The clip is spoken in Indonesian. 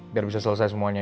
biar bisa selesai semuanya